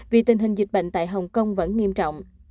vì tình hình dịch bệnh tại hồng kông vẫn nghiêm trọng